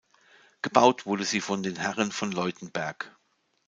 Gebaut wurde sie von den Herren von Leutenberg.